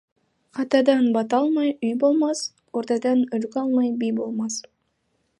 Атадан бата алмай, үй болмас, ордадан үлгі алмай, би болмас.